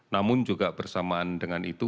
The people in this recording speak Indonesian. namun juga bersamaan dengan itu